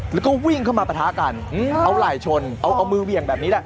แล้วก็วิ่งเข้ามาปะทะกันเอาไหล่ชนเอามือเหวี่ยงแบบนี้แหละ